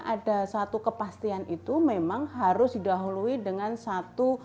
ada satu kepastian itu memang harus didahului dengan satu